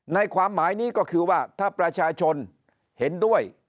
ความหมายนี้ก็คือว่าถ้าประชาชนเห็นด้วย